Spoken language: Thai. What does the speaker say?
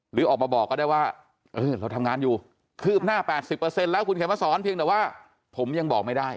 หรือออกมาบอกก็ได้ว่าเราทำงานอยู่คืบหน้า๘๐แล้วคุณเขียนมาสอนเพียงแต่ว่าผมยังบอกไม่ได้